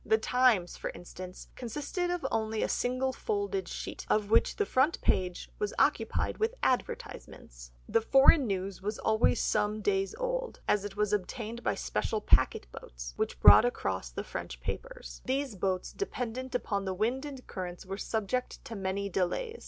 The Times, for instance, consisted of only a single folded sheet, of which the front page was occupied with advertisements. The foreign news was always some days old, as it was obtained by special packet boats, which brought across the French papers. These boats being dependent on the wind and currents, were subject to many delays.